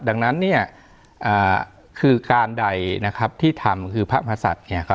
ดังนั้นเนี่ยคือการใดนะครับที่ทำคือพระมหาศาสตร์เนี่ย